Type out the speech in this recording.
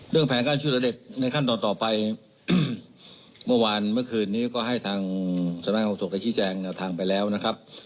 เรื่องแผนการช่วยเหลือเด็กในขั้นตอนต่อไปเมื่อวานเมื่อคืนนี้ก็ให้ทางสำหรับทางไปแล้วนะครับ